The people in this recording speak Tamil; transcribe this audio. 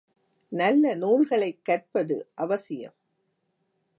நல்ல நூல்களை கற்பது அவசியம்.